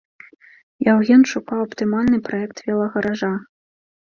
Яўген шукаў аптымальны праект велагаража.